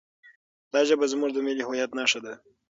دا ژبه زموږ د ملي هویت نښه ده.